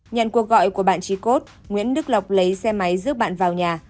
nhận cuộc gọi của bạn trí cốt nguyễn đức lộc lấy xe máy giúp bạn vào nhà